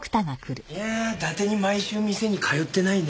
いやあだてに毎週店に通ってないね。